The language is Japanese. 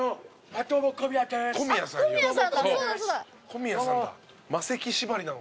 小宮さんだ。